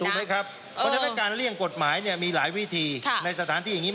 เพราะฉะนั้นการเลี่ยงกฎหมายเนี่ยมีหลายวิธีในสถานที่อย่างนี้